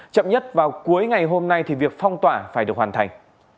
chậm nhất vào cuối ngày hôm nay thì việc phong tỏa phải được hoàn thành